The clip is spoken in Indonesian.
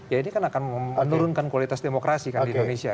ya ini kan akan menurunkan kualitas demokrasi kan di indonesia